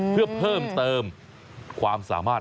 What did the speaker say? เพื่อเพิ่มเติมความสามารถ